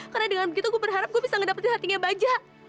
karena dengan begitu gue berharap gue bisa ngedapetin hatinya bajak